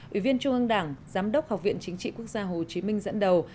ủy viên trung ương đảng giám đốc học viện chính trị quốc gia hồ chí minh dẫn đầu